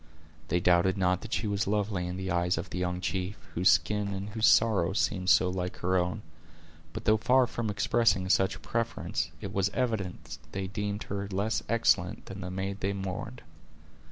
They doubted not that she was lovely in the eyes of the young chief, whose skin and whose sorrow seemed so like her own; but though far from expressing such a preference, it was evident they deemed her less excellent than the maid they mourned.